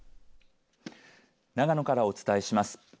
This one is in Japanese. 長野からお伝えします。